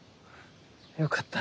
よかった。